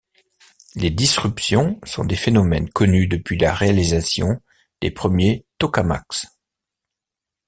Les disruptions sont des phénomènes connus depuis la réalisation des premiers tokamaks.